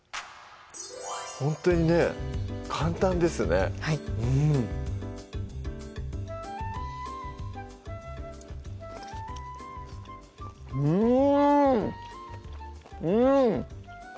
ほんとにね簡単ですねはいうん！うん